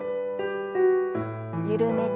緩めて。